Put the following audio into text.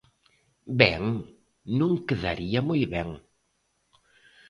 Ben, non quedaría moi ben.